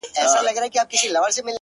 • هر یوه ته نیمايی برخه رسیږي ,